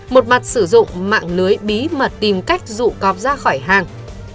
một mặt sử dụng mạng lưới bí mật tìm cách rụ cóp ra khỏi hang